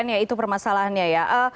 ya itu permasalahannya ya